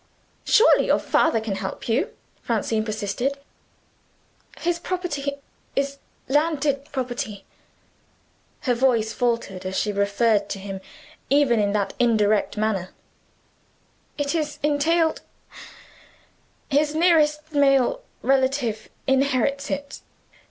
"Surely your father can help you?" Francine persisted. "His property is landed property." Her voice faltered, as she referred to him, even in that indirect manner. "It is entailed; his nearest male relative inherits it."